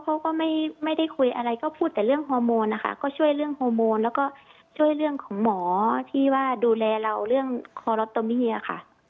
เขาก็ไม่ได้คุยอะไรก็พูดแต่เรื่องฮอร์โมนนะคะก็ช่วยเรื่องฮอร์โมนแล้วก็ช่วยเรื่องของหมอที่ว่าดูแลเราเรื่องคอรอตเตอรี่อะค่ะ